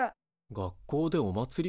学校でおまつり？